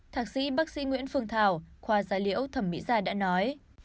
thạc sĩ bác sĩ nguyễn phương thảo khoa giải liễu thẩm mỹ gia đã nói